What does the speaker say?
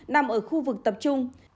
nằm ở khu vực tập trung